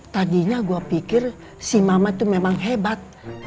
tadinya gue pikir si mamat tuh memang hebat